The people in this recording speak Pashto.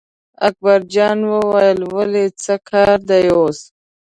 اکبرجان وویل ولې څه کار دی اوس.